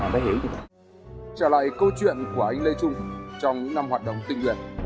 trở lại câu chuyện của anh lê trung trong năm hoạt động tình nguyện